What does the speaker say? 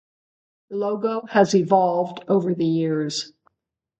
The logo has evolved over the years.